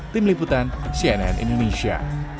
tim liputan cnn indonesia